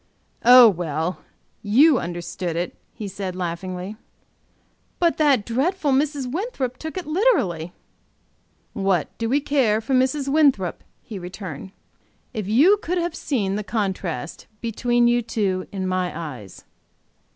"Oh, well, you understood it," he said, laughingly. "But that dreadful Mrs. Winthrop took it literally." "What do we care for Mrs. Winthrop?" he returned. "If you could have seen the contrast between you two in my eyes!"